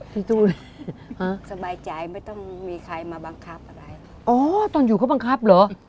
พี่ตูนฮะสบายใจไม่ต้องมีใครมาบังคับอะไรอ๋อตอนอยู่เขาบังคับเหรอ